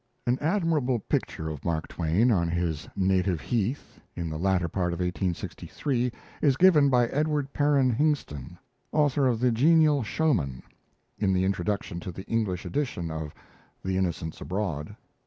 An admirable picture of Mark Twain on his native heath, in the latter part of 1863, is given by Edward Peron Hingston, author of "The Genial Showman," in the introduction to the English edition of "The Innocents Abroad."